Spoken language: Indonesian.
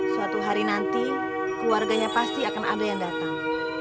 suatu hari nanti keluarganya pasti akan ada yang datang